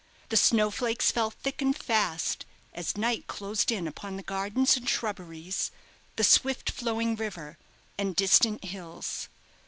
The snowflakes fell thick and fast as night closed in upon the gardens and shrubberies, the swift flowing river, and distant hills.